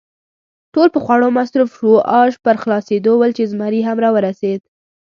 ټول په خوړو مصروف شوو، آش پر خلاصېدو ول چې زمري هم را ورسېد.